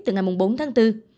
từ ngày bốn tháng bốn